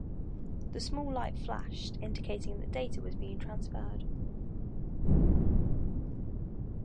The small light flashed, indicating that data was being transferred.